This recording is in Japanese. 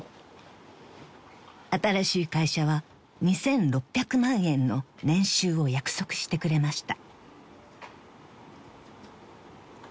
［新しい会社は２，６００万円の年収を約束してくれました］